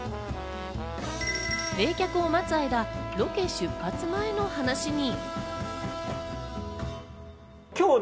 冷却を待つ間、ロケ出発前の話に。